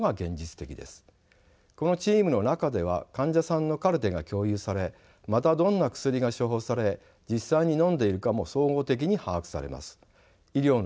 このチームの中では患者さんのカルテが共有されまたどんな薬が処方され実際にのんでいるかも総合的に把握されます。